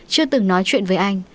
chưa từng nói chuyện với anh